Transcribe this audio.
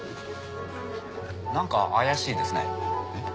なんか怪しいですね。